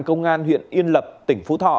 công an huyện yên lập tỉnh phú thọ